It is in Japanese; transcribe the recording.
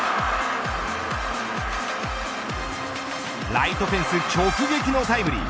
ライトフェンス直撃のタイムリー。